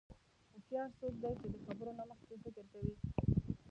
هوښیار څوک دی چې د خبرو نه مخکې فکر کوي.